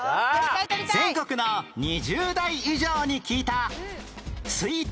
全国の２０代以上に聞いた